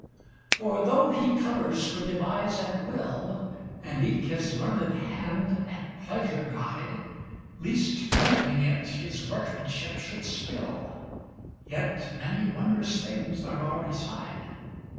For though he colours could devise at will, And eke his learned hand at pleasure guide, Least trembling it his workmanship should spill, Yet many wondrous things there are beside.